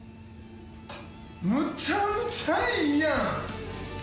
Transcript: むちゃむちゃいいやん。